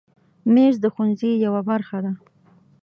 مېز د ښوونځي یوه برخه ده.